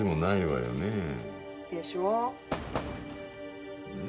でしょ？